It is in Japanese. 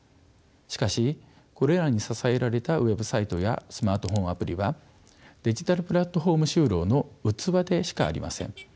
しかしこれらに支えられたウェブサイトやスマートフォンアプリはデジタルプラットフォーム就労の器でしかありません。